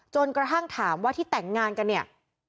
จนกระทั่งถามว่าที่แต่งงานกันเนี่ย